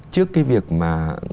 trước cái việc mà